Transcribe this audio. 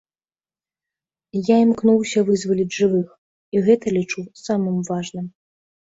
Я імкнуся вызваліць жывых, і гэта лічу самым важным.